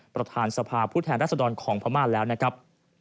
ประธานสภาพุทธแห่งรัฐธรรมของพม่านแล้วนะครับ